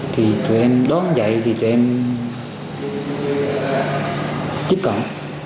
thì tụi em đón dậy tụi em tiếp cận